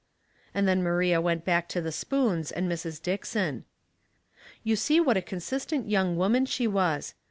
" And then Maria went back to the spoons and Mrs. Dick son. You see what a consistent young woman she was.